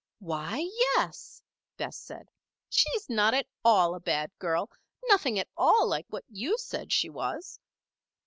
"Why, yes," Bess said. "She's not at all a bad girl nothing at all like what you said she was."